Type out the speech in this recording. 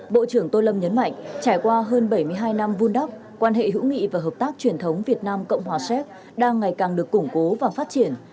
bộ trưởng tô lâm nhấn mạnh trải qua hơn bảy mươi hai năm vun đắp quan hệ hữu nghị và hợp tác truyền thống việt nam cộng hòa séc đang ngày càng được củng cố và phát triển